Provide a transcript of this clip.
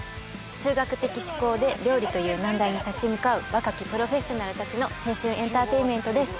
数学的思考で料理という難題に立ち向かう若きプロフェッショナルたちの青春エンターテインメントです